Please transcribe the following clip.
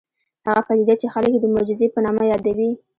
هغه پدیده چې خلک یې د معجزې په نامه یادوي